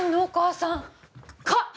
お母さん蚊！